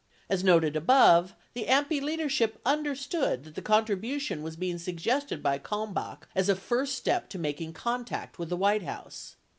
As noted above, the AMPI leadership understood that the con tribution was being suggested by Kalmbach as a first step to making contact with the White House.